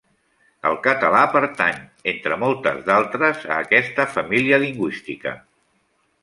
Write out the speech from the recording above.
El català pertany, entre moltes d'altres, a aquesta família lingüística.